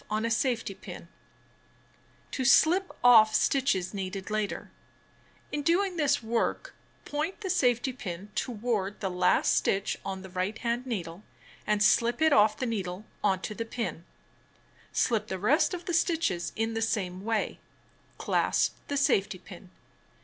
186 Knitting and Crocheting Book To Slip off Stitches Needed Later (Sec picture on page 185) In doing this work, point the safoty pin toward the last stitch on the right hand needle, and slip it off the needle on to the pin. Slip the rest of the stitches in the same way. Clasp the safety pin.